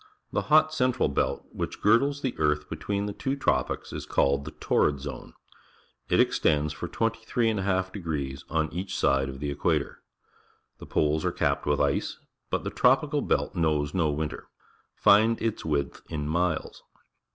— The hot central belt which gu dles the earth between the two tropics is called the Torxi(L^one_. It extends for 23^2° on each side of the equator. The poles are capped with ice, but the tropical belt knows no winter. Find its width in miles.